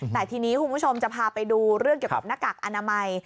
แต่ทีนี้คุณผู้ชมจะพาไปดูเรื่องเกี่ยวกับหน้ากากอนามัย